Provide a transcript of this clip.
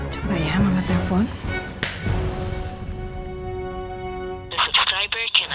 coba ya mama telepon